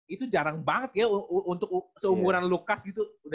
itu jarang banget ya untuk seumuran lukas gitu